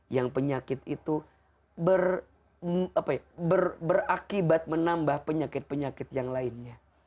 yang penyakit itu berakibat menambah penyakit penyakit yang lainnya